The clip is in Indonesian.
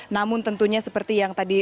namun tentunya seperti yang tadi